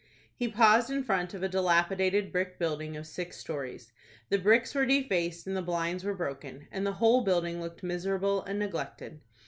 He paused in front of a dilapidated brick building of six stories. The bricks were defaced, and the blinds were broken, and the whole building looked miserable and neglected.